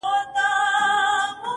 بيا کرار -کرار د بت و خواته گوري-